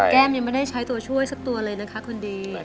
แก้มยังไม่ได้ใช้ตัวช่วยสักตัวเลยนะคะคนดี